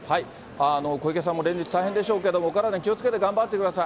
小池さんも連日、大変でしょうけども、お体に気をつけて頑張ってください。